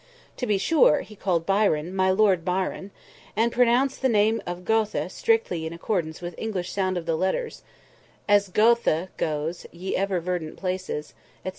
To be sure he called Byron "my Lord Byrron," and pronounced the name of Goethe strictly in accordance with the English sound of the letters—"As Goethe says, 'Ye ever verdant palaces,'" &c.